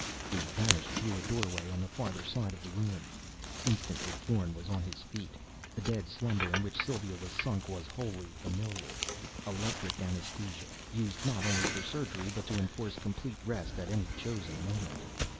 He vanished through a doorway on the farther side of the room. Instantly Thorn was on his feet. The dead slumber in which Sylva was sunk was wholly familiar. Electric anesthesia, used not only for surgery, but to enforce complete rest at any chosen moment.